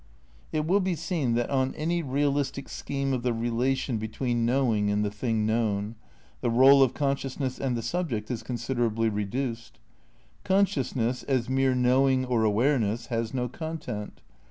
It will be seen that, on any realistic scheme of the relation between knowing and the thing known, the role of consciousness and the subject is considerably re duced. Consciousness, as mere knowing or aware ness, has no content.